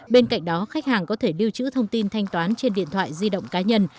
bên cạnh đó khách hàng có thể lưu trữ thông tin thanh toán trên điện thoại di động cá nhân